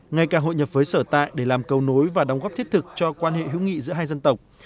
ngay cả hội nhập với sở tại để làm cầu nối và đóng góp thiết thực cho quan hệ hữu nghị giữa hai dân tộc